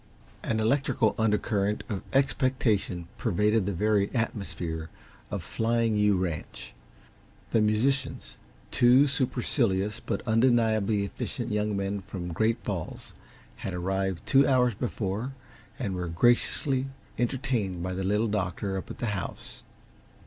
An electrical undercurrent of expectation pervaded the very atmosphere of Flying U ranch. The musicians, two supercilious but undeniably efficient young men from Great Falls, had arrived two hours before and were being graciously entertained by the Little Doctor up at the house.